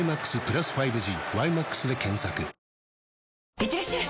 いってらっしゃい！